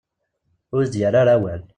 Ur as-d-yerri ara awal.